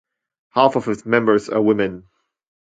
Half of its members are women.